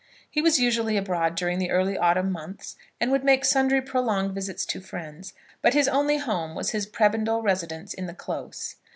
He was usually abroad during the early autumn months, and would make sundry prolonged visits to friends; but his only home was his prebendal residence in the Close.